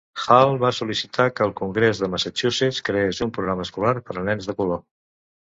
Hall va sol·licitar que el Congrés de Massachusetts creés un programa escolar per a nens de color.